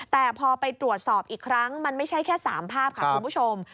แต่พอไปตรวจสอบอีกครั้งมันไม่ใช่แค่๓ภาพค่ะคุณผู้ชม